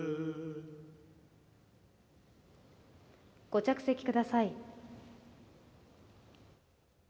ご着席ください。